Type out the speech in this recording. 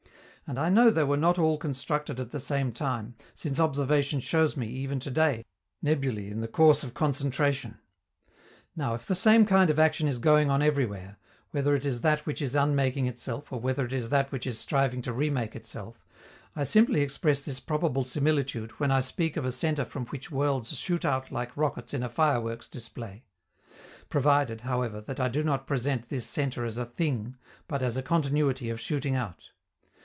And I know they were not all constructed at the same time, since observation shows me, even to day, nebulae in course of concentration. Now, if the same kind of action is going on everywhere, whether it is that which is unmaking itself or whether it is that which is striving to remake itself, I simply express this probable similitude when I speak of a centre from which worlds shoot out like rockets in a fireworks display provided, however, that I do not present this centre as a thing, but as a continuity of shooting out.